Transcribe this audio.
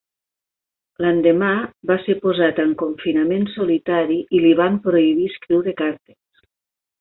L'endemà va ser posat en confinament solitari i li van prohibir escriure cartes.